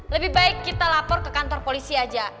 lebih baik kita lapor ke kantor polisi aja